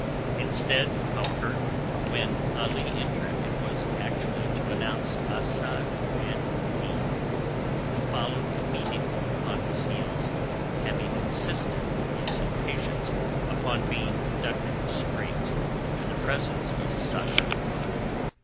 Instead, however, when Ali entered it was actually to announce Asad ed Din, who followed immediately upon his heels, having insisted in his impatience upon being conducted straight to the presence of Sakr el Bahr.